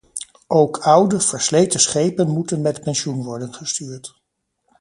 Ook oude, versleten schepen moeten met pensioen worden gestuurd.